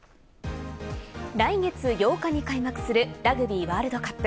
来月８日に開幕するラグビーワールドカップ。